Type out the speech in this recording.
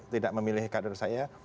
tidak memilih kader saya